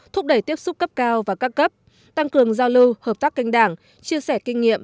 thúc đẩy tiếp xúc cấp cao và các cấp tăng cường giao lưu hợp tác kênh đảng chia sẻ kinh nghiệm